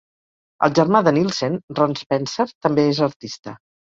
El germà de Nielsen, Ron Spencer, també és artista.